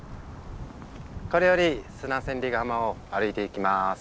これより砂千里ヶ浜を歩いていきます。